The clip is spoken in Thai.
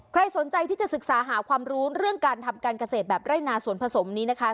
ใครสนใจที่จะศึกษาหาความรู้เรื่องการทำการเกษตรแบบไร่นาสวนผสมนี้นะคะ